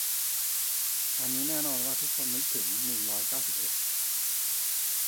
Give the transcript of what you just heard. อันนี้แน่นอนว่าทุกคนนึกถึง หนึ่งร้อยเก้าสิบเอ็ด